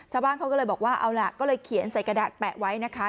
ชาวบ้านเขาก็เลยบอกว่าเอาล่ะก็เลยเขียนใส่กระดาษแปะไว้นะคะ